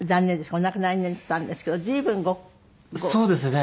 お亡くなりになったんですけど随分ご年齢が。